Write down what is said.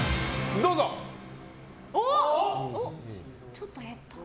ちょっと減った。